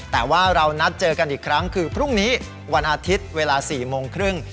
แต่ว่าเรานัดเจอกันอีกครั้งคือพรุ่งนี้วันอาทิตย์เวลา๔โมงครึ่ง